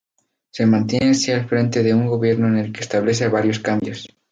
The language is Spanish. Se mantiene así al frente de un gobierno en el que establece varios cambios.